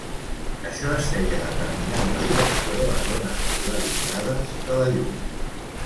Això es feia determinant la direcció de les ones polaritzades de la llum.